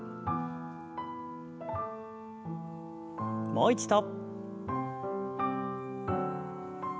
もう一度。